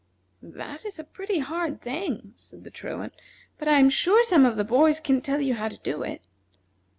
"That is a pretty hard thing," said the Truant, "but I am sure some of the boys can tell you how to do it."